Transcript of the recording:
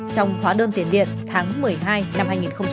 trong hóa đơn tiền điện tháng một mươi hai năm hai nghìn hai mươi